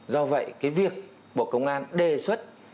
do vậy cái việc bộ công an đề xuất